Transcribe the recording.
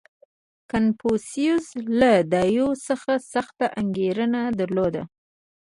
• کنفوسیوس له دایو څخه سخته انګېرنه درلوده.